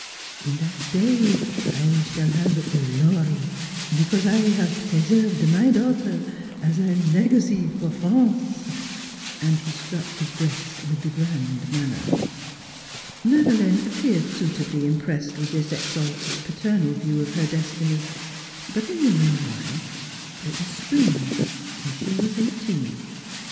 In that day I shall have glory because I have pre served my daughter as a legacy for France !" And he struck his breast with the grand manner. Madeleine appeared suitably impressed with this exalted paternal view of her destiny; but in the meanwhile it was spring, and she was eighteen.